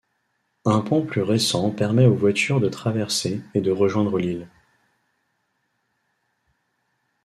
Un pont plus récent permet aux voitures de traverser et de rejoindre l'île.